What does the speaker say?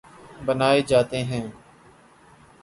بنائے جاتے ہیں